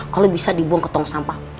kalau bisa dibuang ke tong sampah